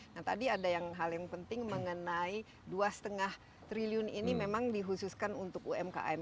nah tadi ada yang hal yang penting mengenai dua lima triliun ini memang dihususkan untuk umkm